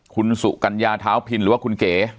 คุณสุกัญญาเท้าพินหรือว่าคุณเก๋